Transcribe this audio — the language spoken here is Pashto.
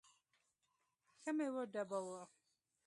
ښه مې وډباوه.